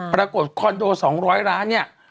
พรากฎคอนโด๒๐๐ร้านเนี่ย